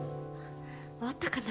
終わったかな？